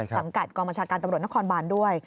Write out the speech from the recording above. สังกัดกองบัญชาการตำรวจนครบานด้วย